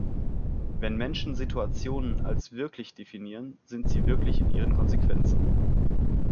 Wenn Menschen Situationen als wirklich definieren, sind sie wirklich in ihren Konsequenzen.